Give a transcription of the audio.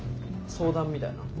相談みたいな。